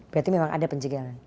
berarti memang ada pencegahan